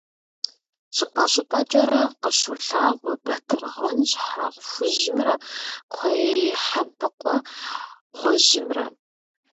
Щӏыпӏэ-щӏыпӏэкӏэрэ къыщолъагъуэ батыргъэн щхьэ хужьымрэ кхъуейхьэбыкъуэ гъуэжьымрэ.